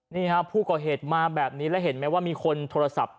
นี่ครับผู้ก่อเหตุมาแบบนี้แล้วเห็นไหมว่ามีคนโทรศัพท์